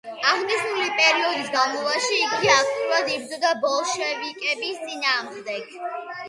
აღნიშნული პერიოდის განმავლობაში იგი აქტიურად იბრძოდა ბოლშევიკების წინააღმდეგ.